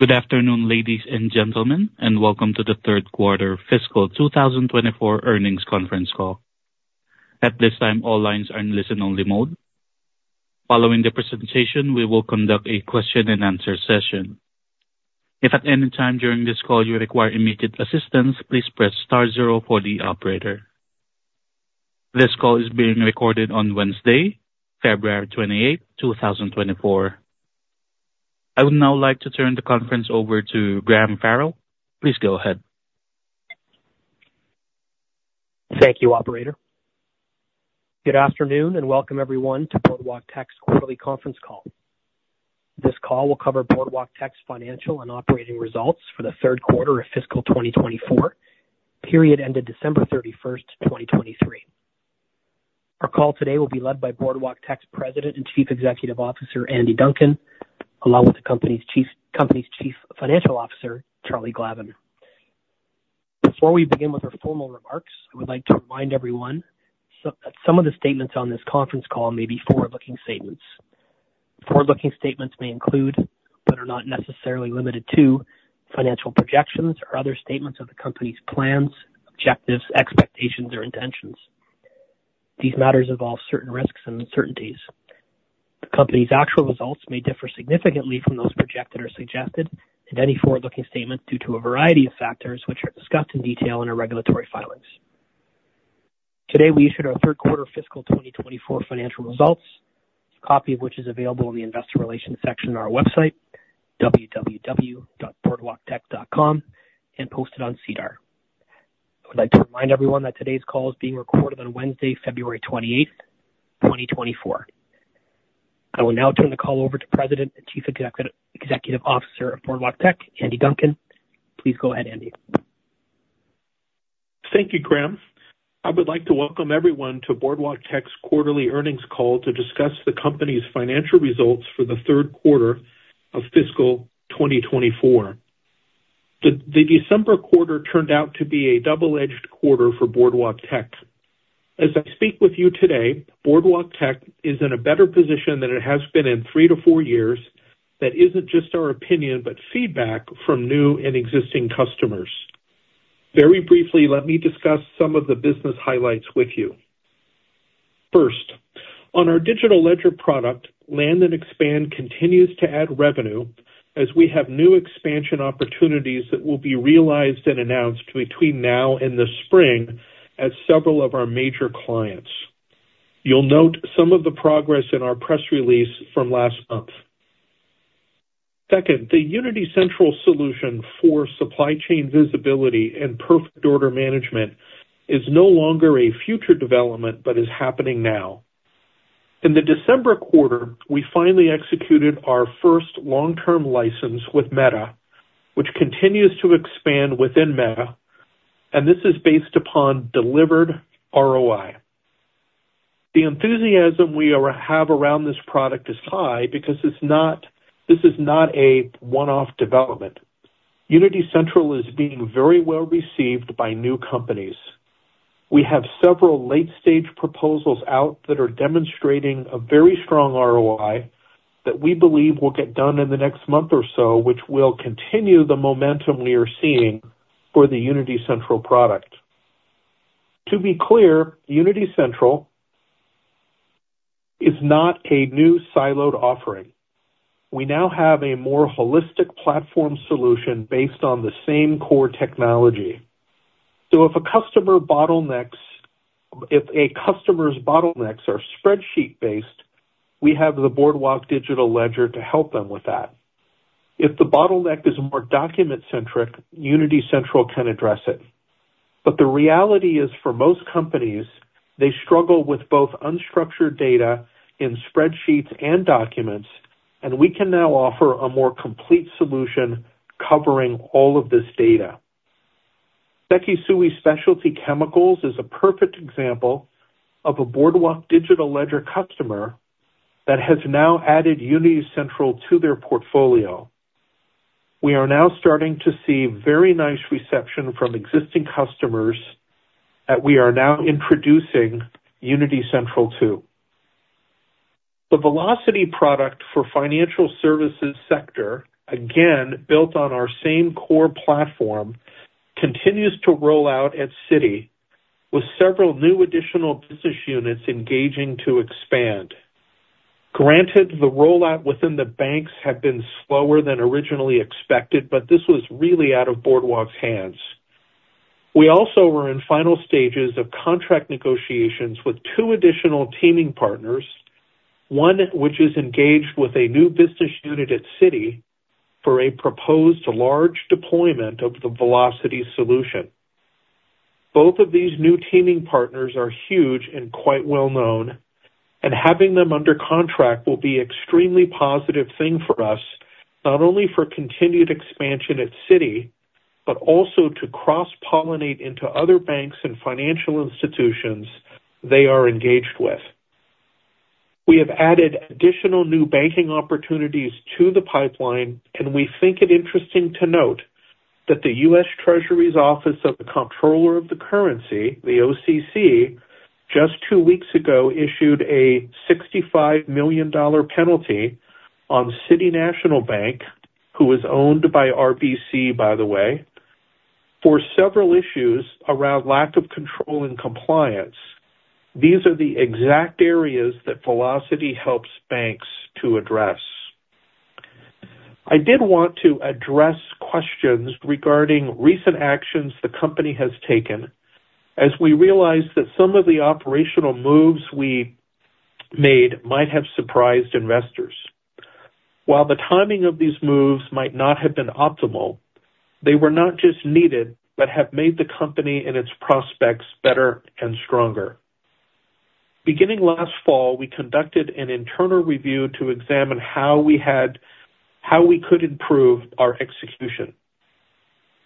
Good afternoon, ladies and gentlemen, and welcome to the third quarter fiscal 2024 earnings conference call. At this time, all lines are in listen-only mode. Following the presentation, we will conduct a question-and-answer session. If at any time during this call you require immediate assistance, please press star zero for the operator. This call is being recorded on Wednesday, February 28, 2024. I would now like to turn the conference over to Graham Farrell. Please go ahead. Thank you, operator. Good afternoon and welcome, everyone, to Boardwalktech's quarterly conference call. This call will cover Boardwalktech's financial and operating results for the third quarter of fiscal 2024, period ended December 31, 2023. Our call today will be led by Boardwalktech's President and Chief Executive Officer, Andy Duncan, along with the company's Chief Financial Officer, Charlie Glavin. Before we begin with our formal remarks, I would like to remind everyone that some of the statements on this conference call may be forward-looking statements. Forward-looking statements may include, but are not necessarily limited to, financial projections or other statements of the company's plans, objectives, expectations, or intentions. These matters involve certain risks and uncertainties. The company's actual results may differ significantly from those projected or suggested in any forward-looking statement due to a variety of factors which are discussed in detail in our regulatory filings. Today, we issued our third-quarter fiscal 2024 financial results, a copy of which is available in the Investor Relations section on our website, www.boardwalktech.com, and posted on SEDAR+. I would like to remind everyone that today's call is being recorded on Wednesday, February 28, 2024. I will now turn the call over to President and Chief Executive Officer of Boardwalktech, Andy Duncan. Please go ahead, Andy. Thank you, Graham. I would like to welcome everyone to Boardwalktech's quarterly earnings call to discuss the company's financial results for the third quarter of fiscal 2024. The December quarter turned out to be a double-edged quarter for Boardwalktech. As I speak with you today, Boardwalktech is in a better position than it has been in 3-4 years that isn't just our opinion but feedback from new and existing customers. Very briefly, let me discuss some of the business highlights with you. First, on our digital ledger product, Land and Expand continues to add revenue as we have new expansion opportunities that will be realized and announced between now and the spring at several of our major clients. You'll note some of the progress in our press release from last month. Second, the Unity Central solution for supply chain visibility and perfect order management is no longer a future development but is happening now. In the December quarter, we finally executed our first long-term license with Meta, which continues to expand within Meta, and this is based upon delivered ROI. The enthusiasm we have around this product is high because this is not a one-off development. Unity Central is being very well received by new companies. We have several late-stage proposals out that are demonstrating a very strong ROI that we believe will get done in the next month or so, which will continue the momentum we are seeing for the Unity Central product. To be clear, Unity Central is not a new siloed offering. We now have a more holistic platform solution based on the same core technology. So if a customer's bottlenecks are spreadsheet-based, we have the Boardwalk Digital Ledger to help them with that. If the bottleneck is more document-centric, Unity Central can address it. But the reality is, for most companies, they struggle with both unstructured data in spreadsheets and documents, and we can now offer a more complete solution covering all of this data. Sekisui Specialty Chemicals is a perfect example of a Boardwalk Digital Ledger customer that has now added Unity Central to their portfolio. We are now starting to see very nice reception from existing customers that we are now introducing Unity Central to. The Velocity product for financial services sector, again built on our same core platform, continues to roll out at Citi with several new additional business units engaging to expand. Granted, the rollout within the banks had been slower than originally expected, but this was really out of Boardwalk's hands. We also were in final stages of contract negotiations with two additional teaming partners, one which is engaged with a new business unit at Citi for a proposed large deployment of the Velocity solution. Both of these new teaming partners are huge and quite well-known, and having them under contract will be an extremely positive thing for us, not only for continued expansion at Citi but also to cross-pollinate into other banks and financial institutions they are engaged with. We have added additional new banking opportunities to the pipeline, and we think it interesting to note that the U.S. Treasury's Office of the Comptroller of the Currency, the OCC, just two weeks ago issued a $65 million penalty on City National Bank, who is owned by RBC, by the way, for several issues around lack of control and compliance. These are the exact areas that Velocity helps banks to address. I did want to address questions regarding recent actions the company has taken as we realized that some of the operational moves we made might have surprised investors. While the timing of these moves might not have been optimal, they were not just needed but have made the company and its prospects better and stronger. Beginning last fall, we conducted an internal review to examine how we could improve our execution.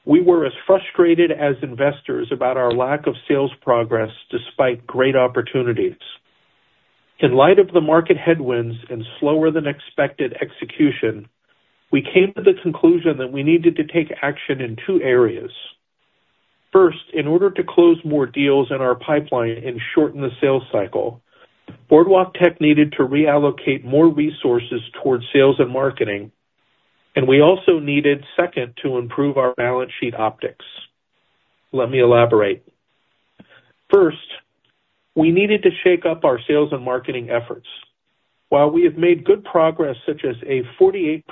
We were as frustrated as investors about our lack of sales progress despite great opportunities. In light of the market headwinds and slower-than-expected execution, we came to the conclusion that we needed to take action in two areas. First, in order to close more deals in our pipeline and shorten the sales cycle, Boardwalktech needed to reallocate more resources toward sales and marketing, and we also needed, second, to improve our balance sheet optics. Let me elaborate. First, we needed to shake up our sales and marketing efforts. While we have made good progress such as a 48%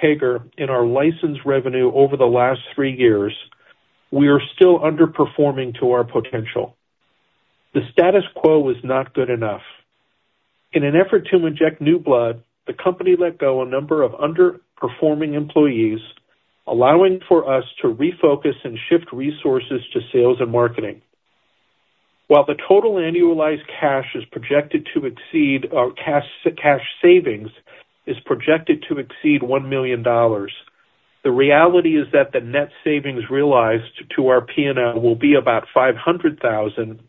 CAGR in our license revenue over the last three years, we are still underperforming to our potential. The status quo is not good enough. In an effort to inject new blood, the company let go of a number of underperforming employees, allowing for us to refocus and shift resources to sales and marketing. While the total annualized cash is projected to exceed or cash savings is projected to exceed $1 million, the reality is that the net savings realized to our P&L will be about $500,000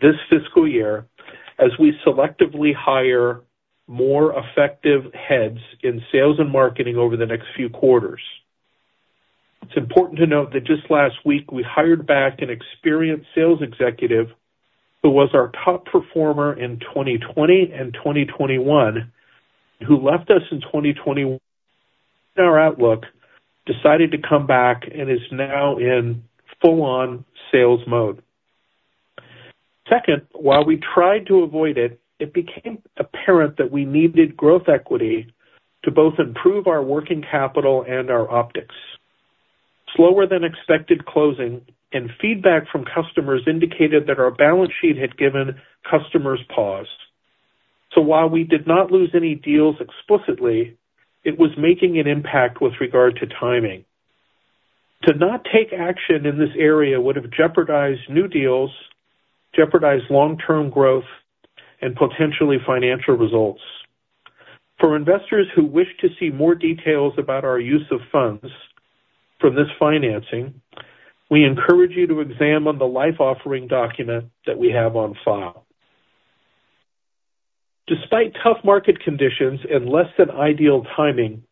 this fiscal year as we selectively hire more effective heads in sales and marketing over the next few quarters. It's important to note that just last week, we hired back an experienced sales executive who was our top performer in 2020 and 2021, who left us in 2021 in our outlook, decided to come back, and is now in full-on sales mode. Second, while we tried to avoid it, it became apparent that we needed growth equity to both improve our working capital and our optics. Slower-than-expected closing and feedback from customers indicated that our balance sheet had given customers pause. While we did not lose any deals explicitly, it was making an impact with regard to timing. To not take action in this area would have jeopardized new deals, jeopardized long-term growth, and potentially financial results. For investors who wish to see more details about our use of funds from this financing, we encourage you to examine the LIF offering document that we have on file. Despite tough market conditions and less-than-ideal timing,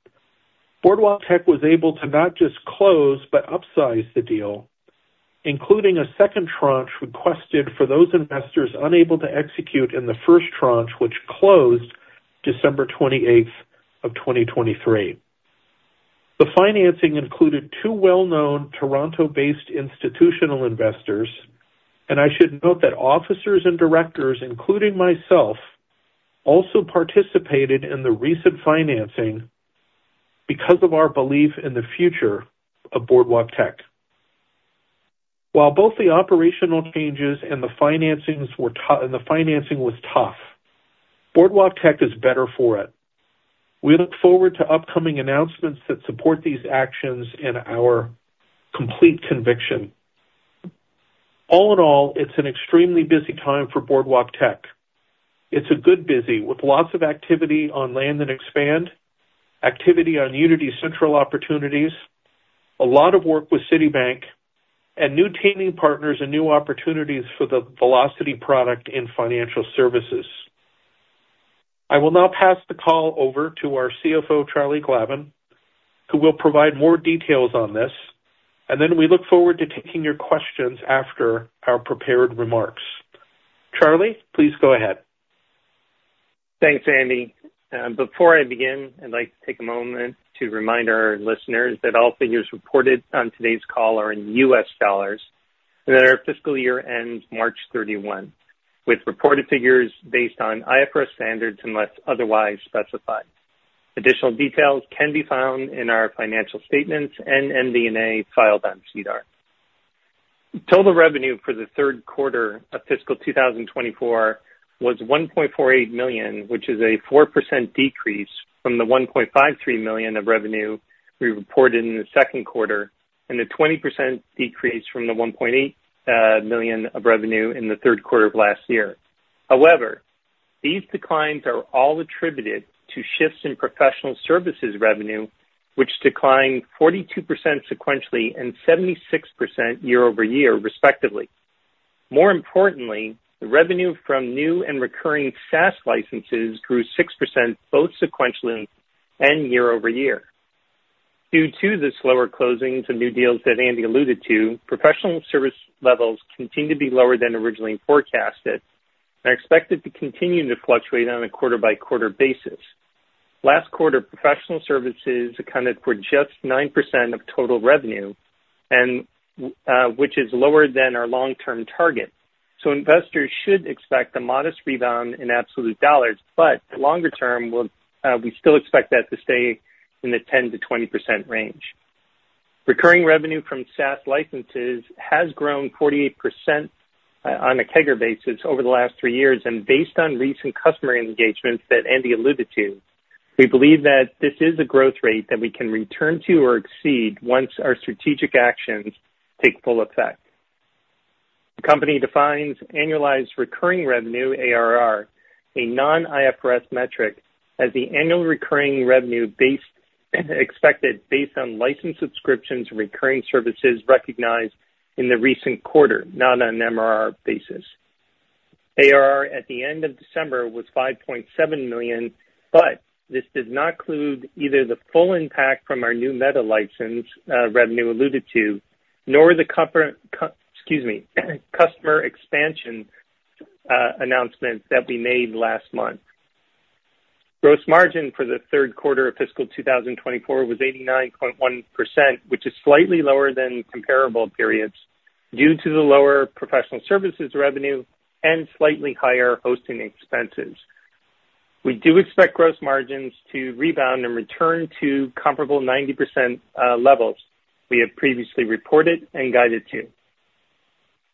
Boardwalktech was able to not just close but upsize the deal, including a second tranche requested for those investors unable to execute in the first tranche, which closed December 28 of 2023. The financing included two well-known Toronto-based institutional investors, and I should note that officers and directors, including myself, also participated in the recent financing because of our belief in the future of Boardwalktech. While both the operational changes and the financing were tough and the financing was tough, Boardwalktech is better for it. We look forward to upcoming announcements that support these actions in our complete conviction. All in all, it's an extremely busy time for Boardwalktech. It's a good busy with lots of activity on Land and Expand, activity on Unity Central opportunities, a lot of work with Citibank, and new teaming partners and new opportunities for the Velocity product in financial services. I will now pass the call over to our CFO, Charlie Glavin, who will provide more details on this, and then we look forward to taking your questions after our prepared remarks. Charlie, please go ahead. Thanks, Andy. Before I begin, I'd like to take a moment to remind our listeners that all figures reported on today's call are in US dollars and that our fiscal year ends March 31, with reported figures based on IFRS standards unless otherwise specified. Additional details can be found in our financial statements and MD&A filed on SEDAR+. Total revenue for the third quarter of fiscal 2024 was $1.48 million, which is a 4% decrease from the $1.53 million of revenue we reported in the second quarter and a 20% decrease from the $1.8 million of revenue in the third quarter of last year. However, these declines are all attributed to shifts in professional services revenue, which declined 42% sequentially and 76% year-over-year, respectively. More importantly, the revenue from new and recurring SaaS licenses grew 6% both sequentially and year-over-year. Due to the slower closings and new deals that Andy alluded to, professional service levels continue to be lower than originally forecasted and are expected to continue to fluctuate on a quarter-by-quarter basis. Last quarter, professional services accounted for just 9% of total revenue, which is lower than our long-term target. So investors should expect a modest rebound in absolute dollars, but longer term, we still expect that to stay in the 10%-20% range. Recurring revenue from SaaS licenses has grown 48% on a CAGR basis over the last three years, and based on recent customer engagements that Andy alluded to, we believe that this is a growth rate that we can return to or exceed once our strategic actions take full effect. The company defines annualized recurring revenue, ARR, a non-IFRS metric, as the annual recurring revenue expected based on license subscriptions and recurring services recognized in the recent quarter, not on an MRR basis. ARR at the end of December was $5.7 million, but this does not include either the full impact from our new Meta license revenue alluded to nor the customer expansion announcements that we made last month. Gross margin for the third quarter of fiscal 2024 was 89.1%, which is slightly lower than comparable periods due to the lower professional services revenue and slightly higher hosting expenses. We do expect gross margins to rebound and return to comparable 90% levels we have previously reported and guided to.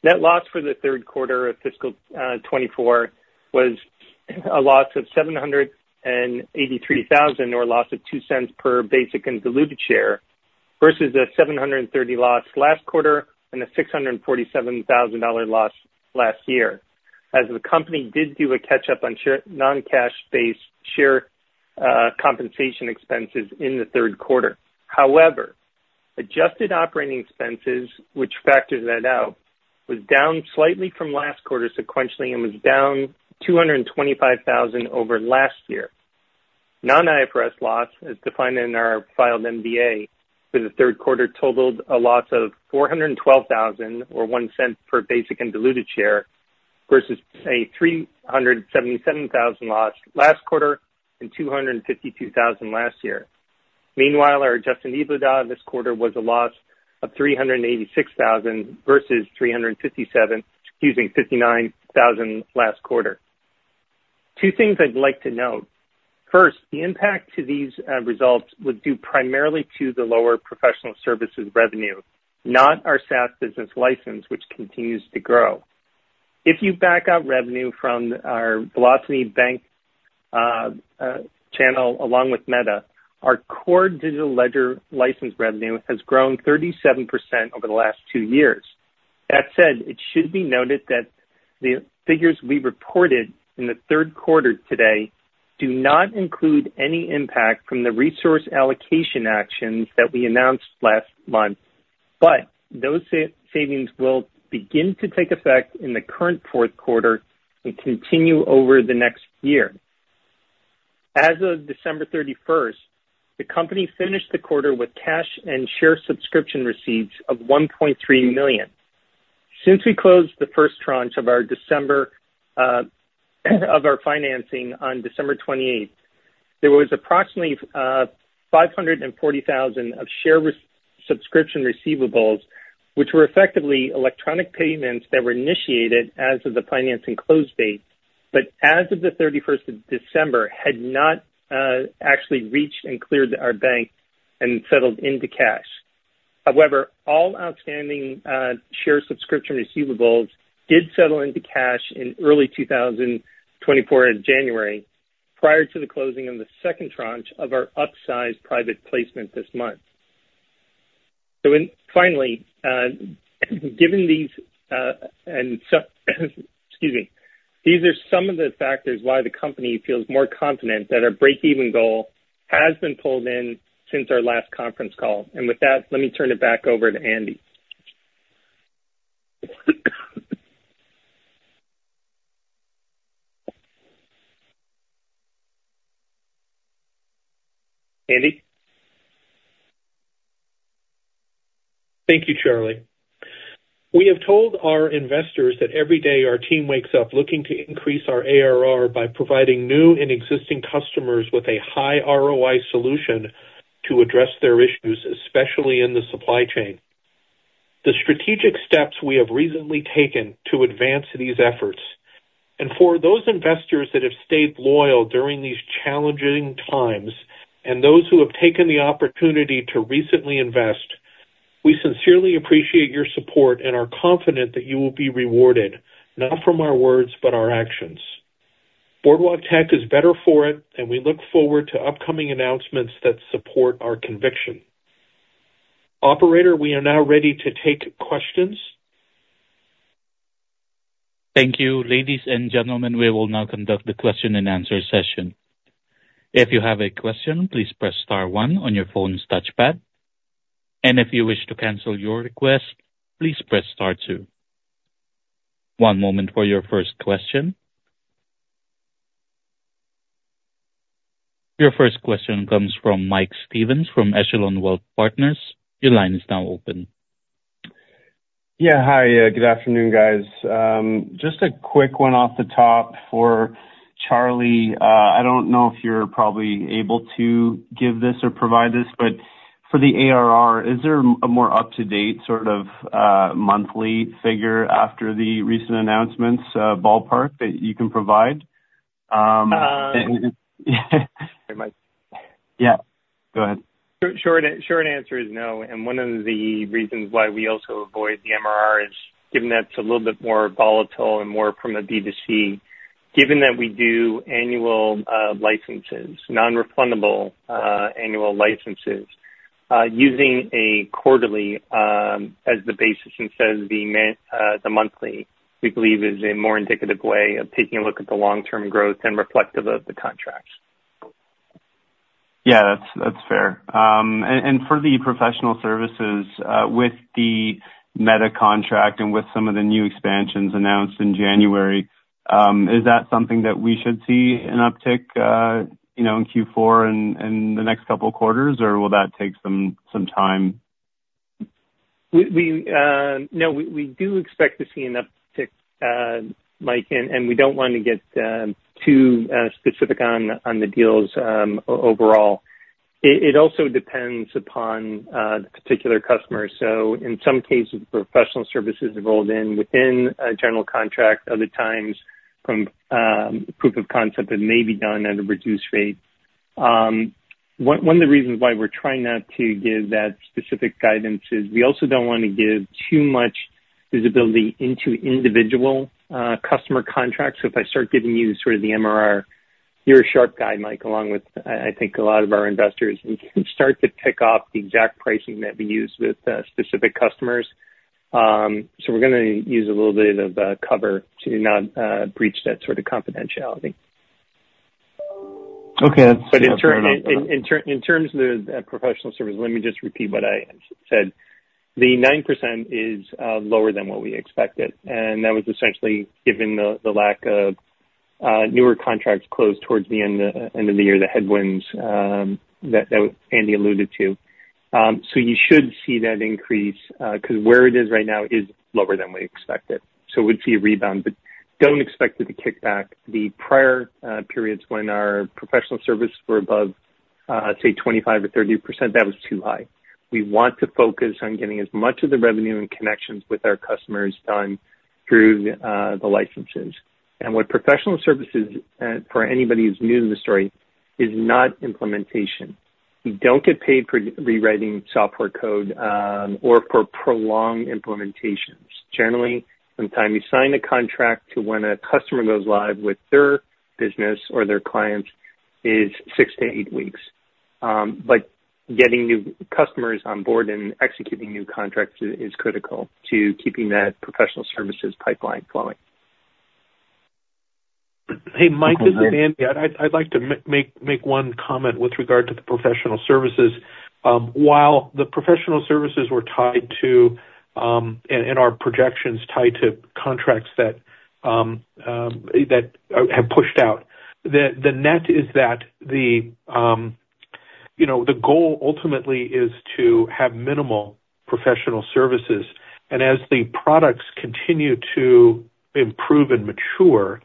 Net loss for the third quarter of fiscal 2024 was a loss of $783,000 or a loss of $0.02 per basic and diluted share versus a $730,000 loss last quarter and a $647,000 loss last year, as the company did do a catch-up on non-cash-based share compensation expenses in the third quarter. However, adjusted operating expenses, which factors that out, were down slightly from last quarter sequentially and were down $225,000 over last year. Non-IFRS loss, as defined in our filed MDA, for the third quarter totaled a loss of $412,000 or $0.01 per basic and diluted share versus a $377,000 loss last quarter and $252,000 last year. Meanwhile, our adjusted EBITDA this quarter was a loss of $386,000 versus $359,000 last quarter. Two things I'd like to note. First, the impact to these results is due primarily to the lower professional services revenue, not our SaaS business license, which continues to grow. If you back out revenue from our Velocity banking channel along with Meta, our core digital ledger license revenue has grown 37% over the last two years. That said, it should be noted that the figures we reported in the third quarter today do not include any impact from the resource allocation actions that we announced last month, but those savings will begin to take effect in the current fourth quarter and continue over the next year. As of December 31st, the company finished the quarter with cash and share subscription receipts of $1.3 million. Since we closed the first tranche of our December of our financing on December 28th, there was approximately $540,000 of share subscription receivables, which were effectively electronic payments that were initiated as of the financing close date but as of the 31st of December had not actually reached and cleared our bank and settled into cash. However, all outstanding share subscription receivables did settle into cash in early 2024 in January prior to the closing of the second tranche of our upsized private placement this month. So finally, given these and excuse me, these are some of the factors why the company feels more confident that our break-even goal has been pulled in since our last conference call. And with that, let me turn it back over to Andy. Andy? Thank you, Charlie. We have told our investors that every day our team wakes up looking to increase our ARR by providing new and existing customers with a high ROI solution to address their issues, especially in the supply chain. The strategic steps we have recently taken to advance these efforts. For those investors that have stayed loyal during these challenging times and those who have taken the opportunity to recently invest, we sincerely appreciate your support and are confident that you will be rewarded, not from our words but our actions. Boardwalktech is better for it, and we look forward to upcoming announcements that support our conviction. Operator, we are now ready to take questions. Thank you. Ladies and gentlemen, we will now conduct the question-and-answer session. If you have a question, please press star one on your phone's touchpad. If you wish to cancel your request, please press star two. One moment for your first question. Your first question comes from Mike Stevens from Echelon Wealth Partners. Your line is now open. Yeah, hi. Good afternoon, guys. Just a quick one off the top for Charlie. I don't know if you're probably able to give this or provide this, but for the ARR, is there a more up-to-date sort of monthly figure after the recent announcements, ballpark, that you can provide? Yeah, go ahead. Sure. The answer is no. One of the reasons why we also avoid the MRR is, given that it's a little bit more volatile and more from a B2C. Given that we do annual licenses, non-refundable annual licenses, using a quarterly as the basis instead of the monthly, we believe, is a more indicative way of taking a look at the long-term growth and reflective of the contracts. Yeah, that's fair. And for the professional services, with the Meta contract and with some of the new expansions announced in January, is that something that we should see an uptick in Q4 and the next couple of quarters, or will that take some time? No, we do expect to see an uptick, Mike, and we don't want to get too specific on the deals overall. It also depends upon the particular customer. So in some cases, the professional services are rolled in within a general contract. Other times, from proof of concept, it may be done at a reduced rate. One of the reasons why we're trying not to give that specific guidance is we also don't want to give too much visibility into individual customer contracts. So if I start giving you sort of the MRR, you're a sharp guy, Mike, along with, I think, a lot of our investors, and you can start to pick off the exact pricing that we use with specific customers. So we're going to use a little bit of cover to not breach that sort of confidentiality. Okay. That's fair. But in terms of the professional service, let me just repeat what I said. The 9% is lower than what we expected. And that was essentially given the lack of newer contracts closed towards the end of the year, the headwinds that Andy alluded to. So you should see that increase because where it is right now is lower than we expected. So we'd see a rebound, but don't expect it to kick back. The prior periods when our professional services were above, say, 25% or 30%, that was too high. We want to focus on getting as much of the revenue and connections with our customers done through the licenses. And what professional services, for anybody who's new to the story, is not implementation. You don't get paid for rewriting software code or for prolonged implementations. Generally, from the time you sign a contract to when a customer goes live with their business or their clients is 6-8 weeks. But getting new customers on board and executing new contracts is critical to keeping that professional services pipeline flowing. Hey, Mike, this is Andy. I'd like to make one comment with regard to the professional services. While the professional services were tied to and our projections tied to contracts that have pushed out, the net is that the goal ultimately is to have minimal professional services. And as the products continue to improve and mature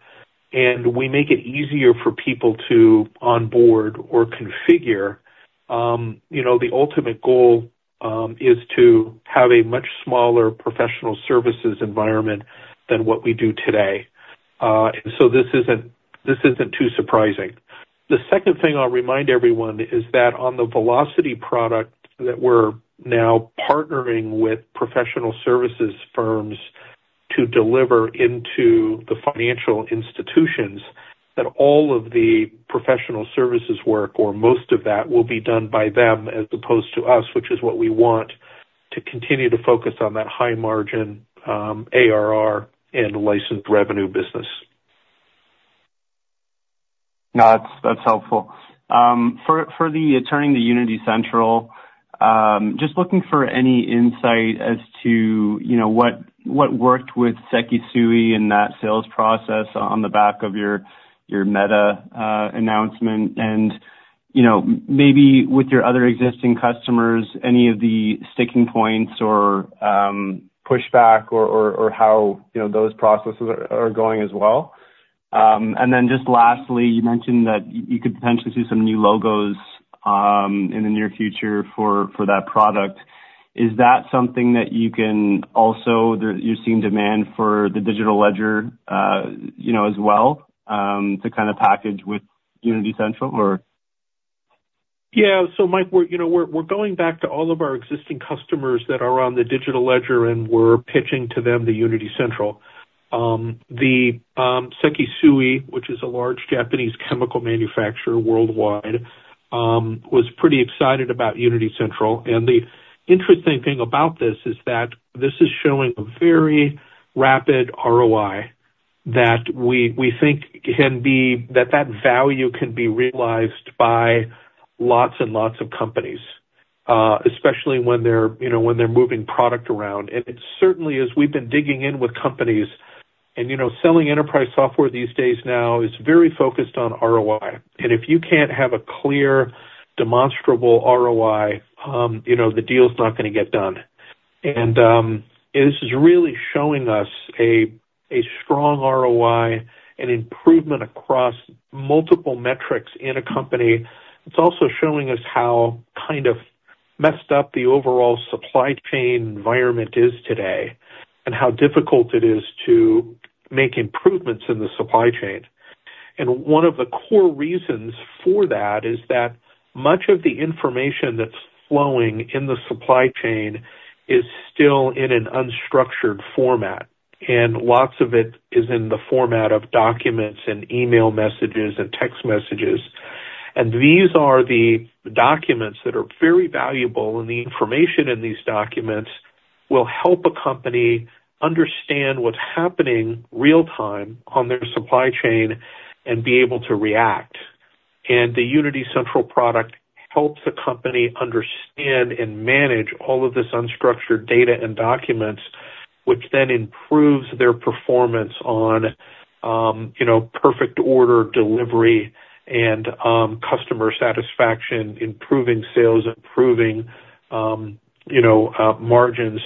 and we make it easier for people to onboard or configure, the ultimate goal is to have a much smaller professional services environment than what we do today. And so this isn't too surprising. The second thing I'll remind everyone is that on the Velocity product that we're now partnering with professional services firms to deliver into the financial institutions, that all of the professional services work or most of that will be done by them as opposed to us, which is what we want to continue to focus on that high-margin ARR and licensed revenue business. No, that's helpful. For the adoption in the Unity Central, just looking for any insight as to what worked with Sekisui in that sales process on the back of your Meta announcement and maybe with your other existing customers, any of the sticking points or pushback or how those processes are going as well. And then just lastly, you mentioned that you could potentially see some new logos in the near future for that product. Is that something that you can also you're seeing demand for the digital ledger as well to kind of package with Unity Central, or? Yeah. So Mike, we're going back to all of our existing customers that are on the digital ledger, and we're pitching to them the Unity Central. The Sekisui, which is a large Japanese chemical manufacturer worldwide, was pretty excited about Unity Central. And the interesting thing about this is that this is showing a very rapid ROI that we think can be that value can be realized by lots and lots of companies, especially when they're moving product around. And it certainly is. We've been digging in with companies. And selling enterprise software these days now is very focused on ROI. And if you can't have a clear, demonstrable ROI, the deal's not going to get done. And this is really showing us a strong ROI, an improvement across multiple metrics in a company. It's also showing us how kind of messed up the overall supply chain environment is today and how difficult it is to make improvements in the supply chain. One of the core reasons for that is that much of the information that's flowing in the supply chain is still in an unstructured format. Lots of it is in the format of documents and email messages and text messages. These are the documents that are very valuable, and the information in these documents will help a company understand what's happening real-time on their supply chain and be able to react. The Unity Central product helps the company understand and manage all of this unstructured data and documents, which then improves their performance on perfect order delivery and customer satisfaction, improving sales, improving margins.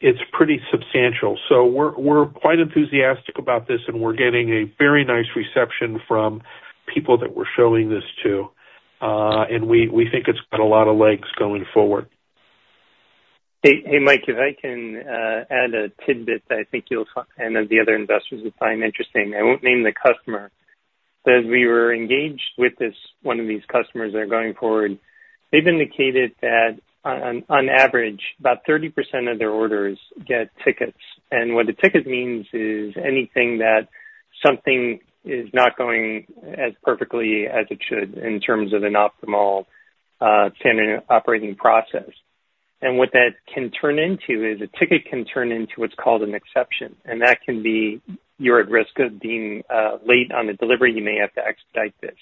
It's pretty substantial. We're quite enthusiastic about this, and we're getting a very nice reception from people that we're showing this to. We think it's got a lot of legs going forward. Hey, Mike, if I can add a tidbit that I think you and the other investors will find interesting. I won't name the customer. But as we were engaged with one of these customers that are going forward, they've indicated that, on average, about 30% of their orders get tickets. And what a ticket means is anything that something is not going as perfectly as it should in terms of an optimal standard operating process. And what that can turn into is a ticket can turn into what's called an exception. And that can be you're at risk of being late on the delivery. You may have to expedite this,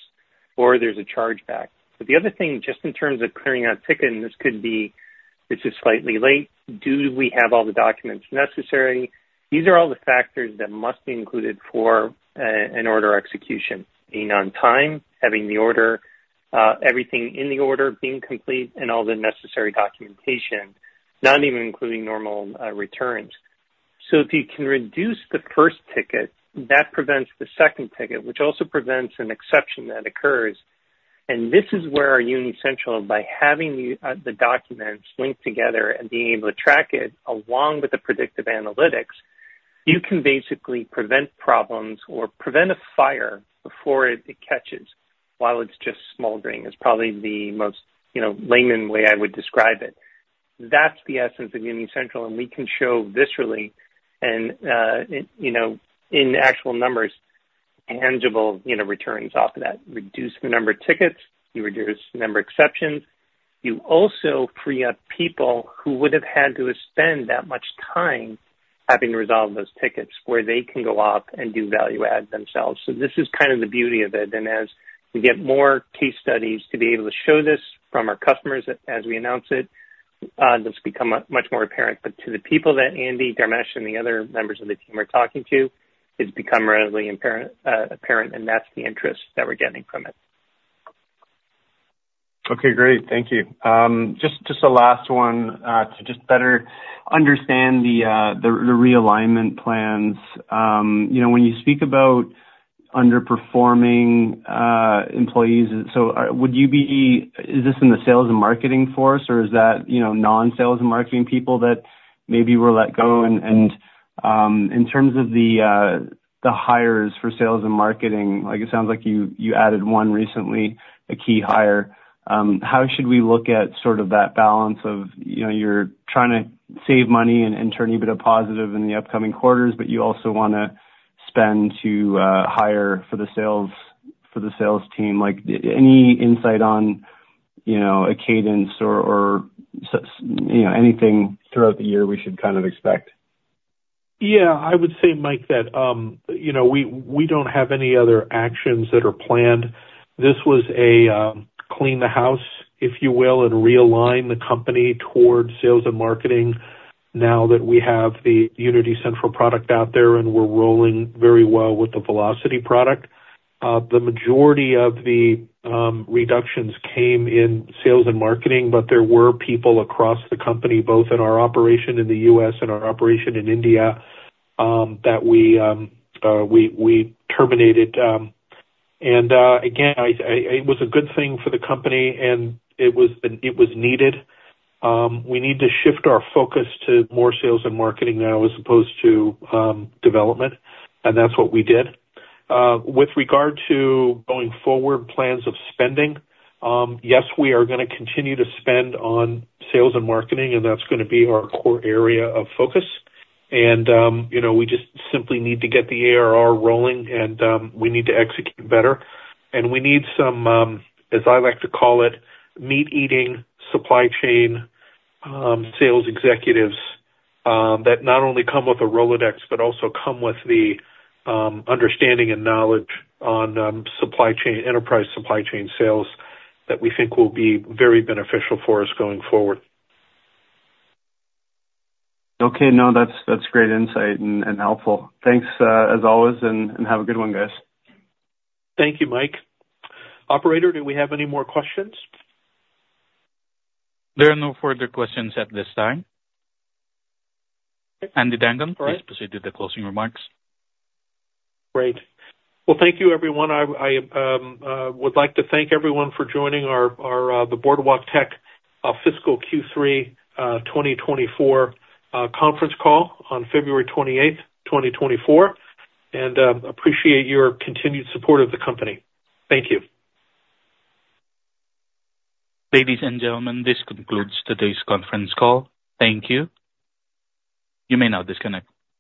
or there's a chargeback. But the other thing, just in terms of clearing out tickets, this could be this is slightly late. Do we have all the documents necessary? These are all the factors that must be included for an order execution: being on time, having the order, everything in the order being complete, and all the necessary documentation, not even including normal returns. So if you can reduce the first ticket, that prevents the second ticket, which also prevents an exception that occurs. And this is where our Unity Central, by having the documents linked together and being able to track it along with the predictive analytics, you can basically prevent problems or prevent a fire before it catches while it's just smoldering is probably the most layman way I would describe it. That's the essence of Unity Central. And we can show visually and in actual numbers tangible returns off of that. Reduce the number of tickets. You reduce the number of exceptions. You also free up people who would have had to spend that much time having to resolve those tickets where they can go off and do value add themselves. So this is kind of the beauty of it. And as we get more case studies to be able to show this from our customers as we announce it, this becomes much more apparent. But to the people that Andy, Dharmesh, and the other members of the team are talking to, it's become readily apparent. And that's the interest that we're getting from it. Okay. Great. Thank you. Just a last one to just better understand the realignment plans. When you speak about underperforming employees, so would you be is this in the sales and marketing force, or is that non-sales and marketing people that maybe were let go? And in terms of the hires for sales and marketing, it sounds like you added one recently, a key hire. How should we look at sort of that balance of you're trying to save money and turn a little bit of positive in the upcoming quarters, but you also want to spend to hire for the sales team? Any insight on a cadence or anything throughout the year we should kind of expect? Yeah. I would say, Mike, that we don't have any other actions that are planned. This was a clean the house, if you will, and realign the company toward sales and marketing now that we have the Unity Central product out there and we're rolling very well with the Velocity product. The majority of the reductions came in sales and marketing, but there were people across the company, both in our operation in the U.S. and our operation in India, that we terminated. Again, it was a good thing for the company, and it was needed. We need to shift our focus to more sales and marketing now as opposed to development. And that's what we did. With regard to going forward plans of spending, yes, we are going to continue to spend on sales and marketing, and that's going to be our core area of focus. We just simply need to get the ARR rolling, and we need to execute better. We need some, as I like to call it, meat-eating supply chain sales executives that not only come with a Rolodex but also come with the understanding and knowledge on enterprise supply chain sales that we think will be very beneficial for us going forward. Okay. No, that's great insight and helpful. Thanks, as always, and have a good one, guys. Thank you, Mike. Operator, do we have any more questions? There are no further questions at this time. Andy Duncan, please proceed with the closing remarks. Great. Well, thank you, everyone. I would like to thank everyone for joining the Boardwalktech Fiscal Q3 2024 conference call on February 28th, 2024, and appreciate your continued support of the company. Thank you. Ladies and gentlemen, this concludes today's conference call. Thank you. You may now disconnect.